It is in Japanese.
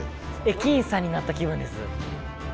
駅員さんになった気分です。